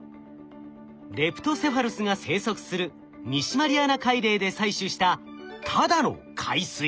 レプトセファルスが生息する西マリアナ海嶺で採取したただの海水。